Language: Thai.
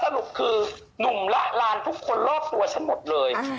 สรุปคือหนุ่มละลานทุกคนรอบตัวฉันหมดเลย